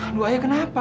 aduh ayah kenapa